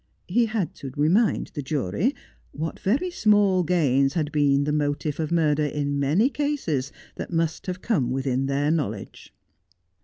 He had to remind the jury what very small gains had been the motive of murder in many cases that must have come within their knowledge.